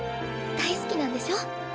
大好きなんでしょ？